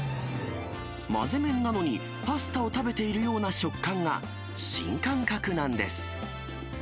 混ぜ麺なのに、パスタを食べているような食感が新感覚なんです。